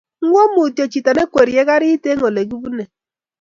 Ngowo Mutyo chito neikwerie garit eng olegibunei